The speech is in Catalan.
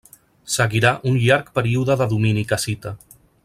Seguirà un llarg període de domini cassita.